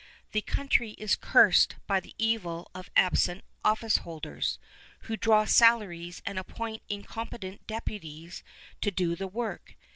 The country is cursed by the evil of absent officeholders, who draw salaries and appoint incompetent deputies to do the work.